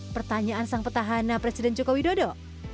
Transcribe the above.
pertanyaan sang petahana presiden joko widodo